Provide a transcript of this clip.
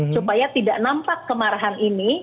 supaya tidak nampak kemarahan ini